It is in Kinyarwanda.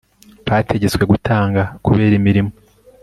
bategetswe gutanga kubera imirimo